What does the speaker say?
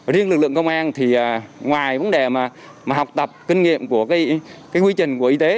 riêng lực lượng công an ngoài vấn đề học tập kinh nghiệm của quy trình y tế